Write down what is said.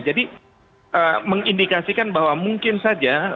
jadi mengindikasikan bahwa mungkin saja